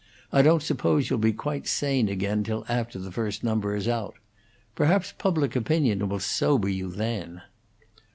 I don't suppose you'll be quite sane again till after the first number is out. Perhaps public opinion will sober you then."